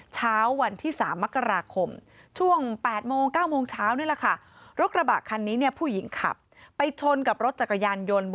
เช้าวันที่๓มกราคมช่วง๘โมง๙โมงเช้านี่แหละค่ะ